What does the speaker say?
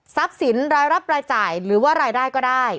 สินรายรับรายจ่ายหรือว่ารายได้ก็ได้